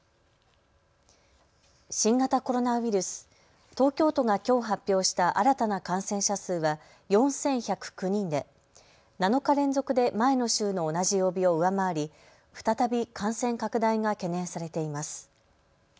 新型コロナウイルス東京都がきょう発表した新たな感染者数は４１０９人で７日連続で前の週の同じ曜日を上回り再び感染拡大が懸念されています。